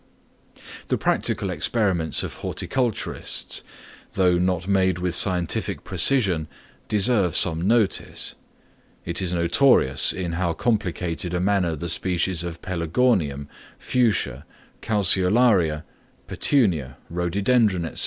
The practical experiments of horticulturists, though not made with scientific precision, deserve some notice. It is notorious in how complicated a manner the species of Pelargonium, Fuchsia, Calceolaria, Petunia, Rhododendron, &c.